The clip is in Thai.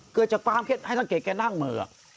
เกิดจากการณ์ฟาร์มเทศให้สระเก็ดแกนั่งเหมือนเดี๋ยว